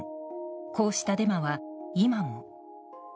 こうしたデマは、今も。